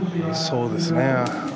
そうですね。